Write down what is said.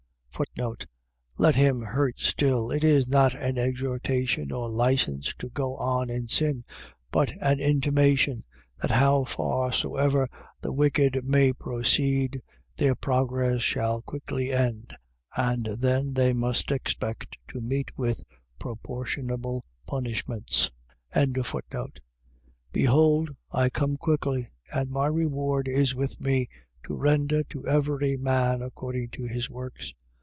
Let him hurt still. . .It is not an exhortation, or license to go on in sin; but an intimation, that how far soever the wicked may proceed, their progress shall quickly end, and then they must expect to meet with proportionable punishments. 22:12. Behold, I come quickly: and my reward is with me, to render to every, man according to his works.